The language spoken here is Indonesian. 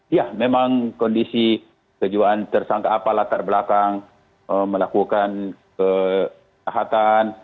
ya memang kondisi kejiwaan tersangka apa latar belakang melakukan kejahatan